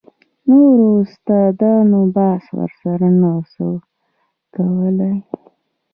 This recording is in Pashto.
نورو استادانو بحث ورسره نه سو کولاى.